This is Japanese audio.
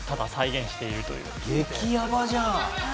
激ヤバじゃん。